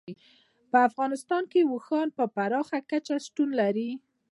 په افغانستان کې اوښ په پراخه کچه شتون لري.